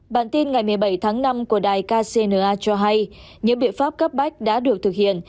bản tin ngày một mươi bảy tháng năm của đài kcna cho hay những biện pháp cấp bách đã được thực hiện